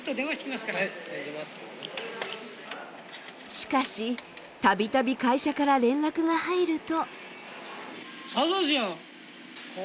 しかし度々会社から連絡が入ると。